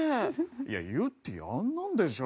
「いやゆってぃあんなんでしょ」